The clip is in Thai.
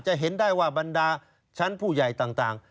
เห็นได้ว่าบรรดาชั้นผู้ใหญ่ต่าง